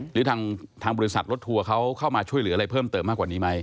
หรือทางบริษัทรถทัวร์เขาเข้ามาช่วยเหลืออะไรเพิ่มเติมมากกว่านี้ไหม